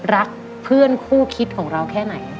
รักเพื่อนคู่คิดของเราแค่ไหน